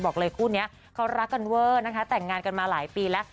บอกเลยคู่นี้เขารักกันเวอร์นะคะแต่งงานกันมาหลายปีแล้ว